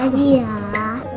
nanti dada askar dulu